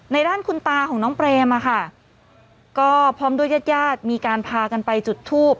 ด้านคุณตาของน้องเปรมอะค่ะก็พร้อมด้วยญาติญาติมีการพากันไปจุดทูบ